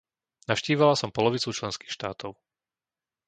Navštívila som polovicu členských štátov.